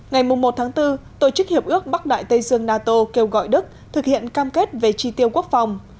ngày một bốn tổ chức hiệp ước bắc đại tây dương nato kêu gọi đức thực hiện cam kết về tri tiêu quốc phòng